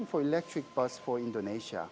bus elektrik untuk indonesia